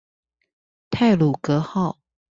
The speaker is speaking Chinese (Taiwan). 太魯閣號